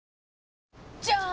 じゃーん！